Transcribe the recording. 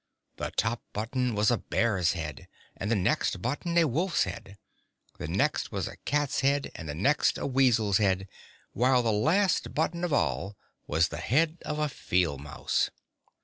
The top button was a bear's head and the next button a wolf's head; the next was a cat's head and the next a weasel's head, while the last button of all was the head of a field mouse.